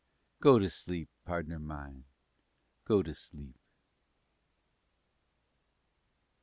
_ _Go to sleep, pardner mine, go to sleep.